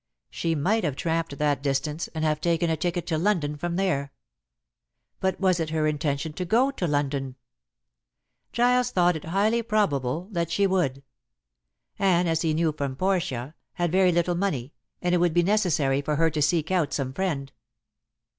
She might have tramped that distance, and have taken a ticket to London from there. But was it her intention to go to London? Giles thought it highly probable that she would. Anne, as he knew from Portia, had very little money, and it would be necessary for her to seek out some friend.